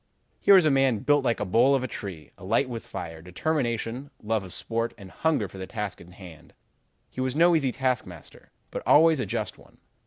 "Here was a man built like the bole of a tree, alight with fire, determination, love of sport, and hunger for the task in hand. He was no easy taskmaster, but always a just one.